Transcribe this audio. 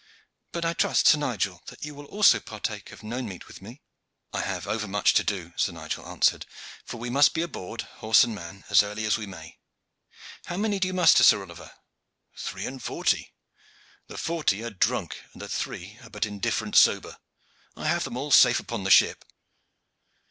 But I trust, Sir Nigel, that you will also partake of none meat with me?" "I have overmuch to do," Sir Nigel answered, "for we must be aboard, horse and man, as early as we may. How many do you muster, Sir Oliver?" "Three and forty. The forty are drunk, and the three are but indifferent sober. I have them all safe upon the ship."